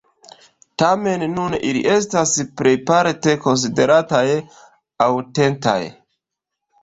Tamen, nun ili estas plejparte konsiderataj aŭtentaj.